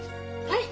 はい。